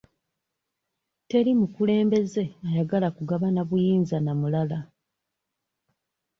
Teri mukulembeze ayagala kugabana buyinza na mulala.